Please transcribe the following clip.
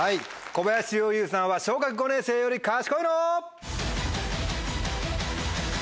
小林陵侑さんは小学５年生より賢いの？